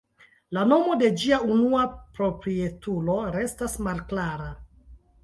La nomo de ĝia unua proprietulo restas malklara.